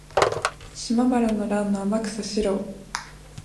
島原の乱の天草四郎